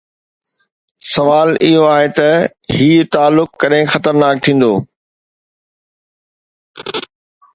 سوال اهو آهي ته هي تعلق ڪڏهن خطرناڪ ٿيندو؟